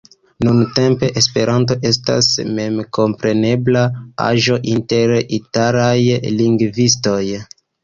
Nuntempe Esperanto estas memkomprenebla aĵo inter italaj lingvistoj.